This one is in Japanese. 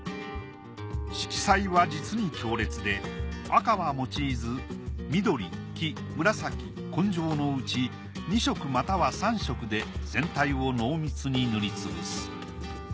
色彩は実に強烈で赤は用いず緑黄紫紺青のうち２色または３色で全体を濃密に塗り潰す。